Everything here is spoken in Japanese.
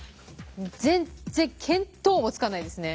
全然見当もつかないですね。